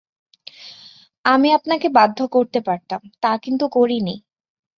আমি আপনাকে বাধ্য করতে পারতাম, তা কিন্তু করিনি।